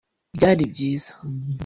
Byari byiza